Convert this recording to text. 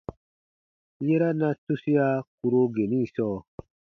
Yera na tusia kùro geni sɔɔ.